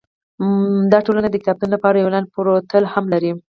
دا ټولنه د کتابتون لپاره یو انلاین پورتل هم لري.